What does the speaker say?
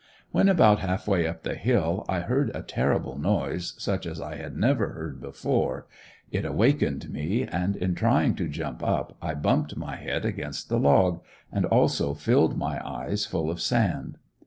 When about half way up the hill I heard a terrible noise such as I had never heard before, it awakened me, and in trying to jump up I bumped my head against the log, and also filled my eyes full of sand.